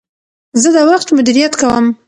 زه د وخت مدیریت کوم.